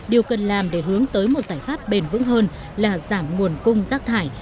điều cần làm để hướng tới một giải pháp bền vững hơn là giảm nguồn cung rác thải